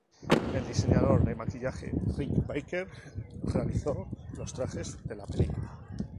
El diseñador de maquillaje Rick Baker realizó los trajes de la película.